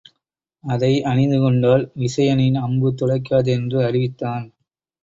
அதை அணிந்துகொண்டால் விசயனின் அம்பு துளைக்காது என்று அறிவித்தான்.